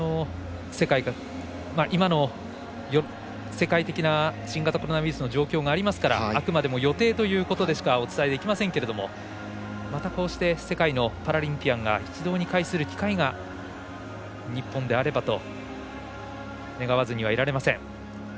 今の世界的な新型コロナウイルスの状況がありますからあくまでも予定ということでしかお伝えできませんけれどもまたこうして、世界のパラリンピアンが一堂に会する機会が日本であればと願わずにはいられません。